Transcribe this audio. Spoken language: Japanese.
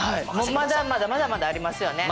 まだまだまだまだありますよね。